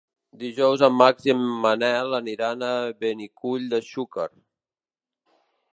Dijous en Max i en Manel aniran a Benicull de Xúquer.